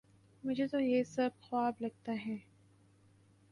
مجھے تو یہ سب خواب لگتا ہے